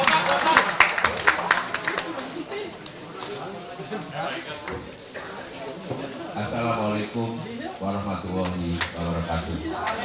assalamu'alaikum warahmatullahi wabarakatuh